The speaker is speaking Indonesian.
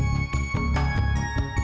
si diego udah mandi